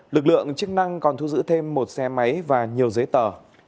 lực lượng chức năng còn thu giữ thêm một xe máy và nhiều giấy tờ